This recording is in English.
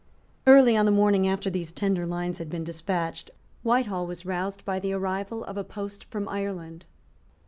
Early on the morning after these tender lines had been despatched, Whitehall was roused by the arrival of a post from Ireland.